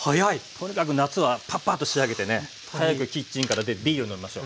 とにかく夏はパッパッと仕上げてね早くキッチンから出てビール飲みましょ。